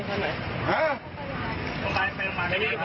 ผมดูนะครับ